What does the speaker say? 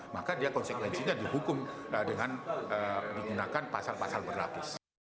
maka dia konsekuensinya dihukum dengan digunakan pasal pasal berlapis